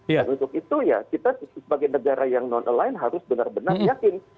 dan untuk itu ya kita sebagai negara yang non aligned harus benar benar yakin